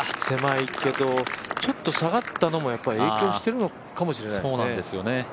狭いけどちょっと下がったのもやっぱり影響してるのかもしれないですね。